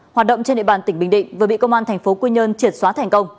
hoạt động trên địa bàn tỉnh bình định vừa bị công an tp quy nhơn triệt xóa thành công